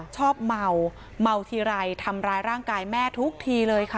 ชอบเมาเมาทีไรทำร้ายร่างกายแม่ทุกทีเลยค่ะ